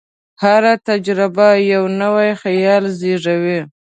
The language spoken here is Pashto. هره تجربه یو نوی خیال زېږوي.